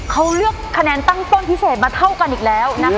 เขาเลือกคะแนนตั้งต้นพิเศษมาเท่ากันอีกแล้วนะคะ